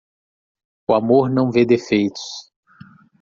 O amor não vê defeitos.